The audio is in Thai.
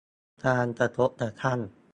การกระทบกระทั่ง